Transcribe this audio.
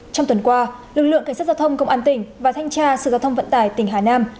trong tuần qua lực lượng cảnh sát giao thông công an tỉnh và thanh tra sở giao thông vận tải tỉnh hà nam